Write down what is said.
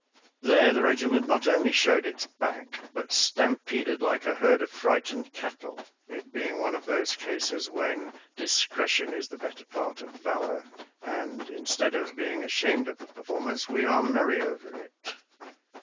There the regiment not only showed its back, but stampeded like a herd of frightened cattle, it being one of those cases when " discretion is the better part of valor "; and, instead of be ing ashamed of the performance, we are merry over it.